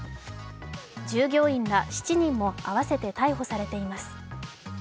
従業員ら７人もあわせて逮捕されています。